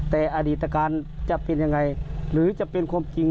แต่อดีตการจะเป็นยังไงหรือจะเป็นความจริง